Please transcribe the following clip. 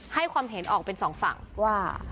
ให้ความเห็นออกเป็นสองฝั่งว่า